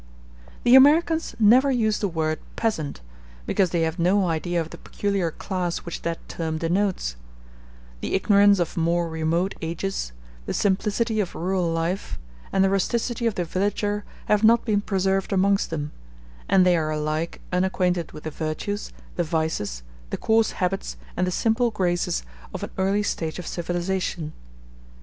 The Americans never use the word "peasant," because they have no idea of the peculiar class which that term denotes; the ignorance of more remote ages, the simplicity of rural life, and the rusticity of the villager have not been preserved amongst them; and they are alike unacquainted with the virtues, the vices, the coarse habits, and the simple graces of an early stage of civilization.